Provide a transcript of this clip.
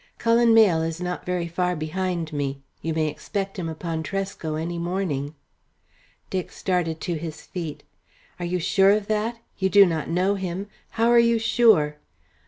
"Cullen Mayle is not very far behind me. You may expect him upon Tresco any morning." Dick started to his feet. "Are you sure of that? You do not know him. How are you sure?"